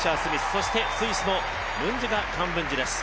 そしてスイスのムンジガ・カンブンジです。